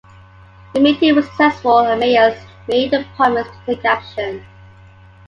The meeting was successful and mayors made a promise to take action.